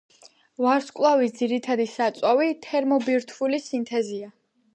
ვარსკვლავის ძირითადი საწვავი თერმობირთვული სინთეზია.